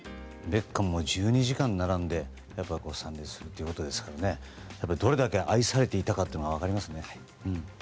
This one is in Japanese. ベッカムも１２時間並んで参列するということですからどれだけ愛されていたかが分かりますね。